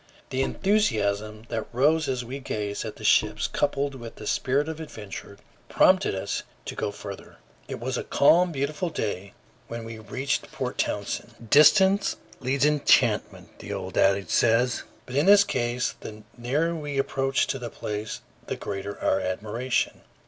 The enthusiasm that rose as we gazed at the ships, coupled with a spirit of adventure, prompted us to go farther. [Illustration: A deep sea vessel sailing before the wind.] It was a calm, beautiful day when we reached Port Townsend. Distance lends enchantment, the old adage says; but in this case the nearer we approached to the place, the greater our admiration.